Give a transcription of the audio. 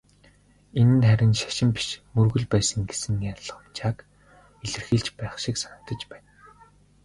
Энэ нь харин "шашин" биш "мөргөл" байсан гэсэн ялгамжааг илэрхийлж байх шиг санагдаж байна.